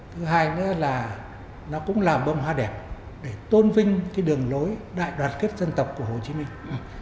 thứ hai nữa là nó cũng là bông hoa đẹp để tôn vinh cái đường lối đại đoàn kết dân tộc của hồ chí minh